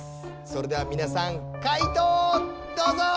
それではみなさん解答どうぞ！